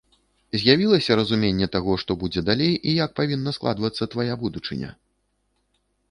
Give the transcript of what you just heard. З'явілася разуменне таго, што будзе далей і як павінна складвацца твая будучыня?